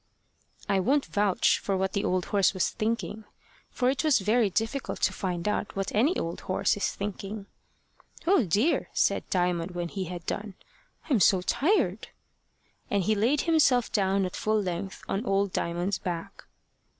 I won't vouch for what the old horse was thinking, for it is very difficult to find out what any old horse is thinking. "Oh dear!" said Diamond when he had done, "I'm so tired!" And he laid himself down at full length on old Diamond's back.